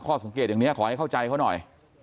สังเกตอย่างนี้ขอให้เข้าใจเขาหน่อย